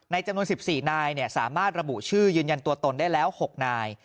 จำนวน๑๔นายสามารถระบุชื่อยืนยันตัวตนได้แล้ว๖นาย